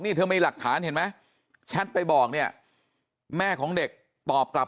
นี่เธอมีหลักฐานเห็นไหมแชทไปบอกเนี่ยแม่ของเด็กตอบกลับ